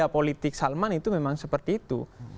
dan politik salman itu memang seperti itu